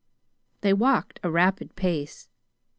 They walked at a rapid pace.